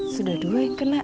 sudah dua yang kena